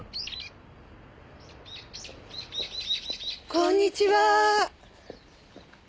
こんにちはー。